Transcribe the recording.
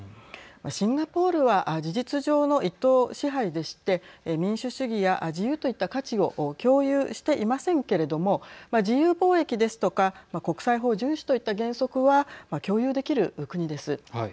シンガポールは事実上の一党支配でして民主主義や自由といった価値を共有していませんけれども自由貿易ですとか国際法順守といった原則は共有できる国です。